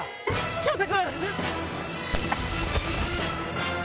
翔太君！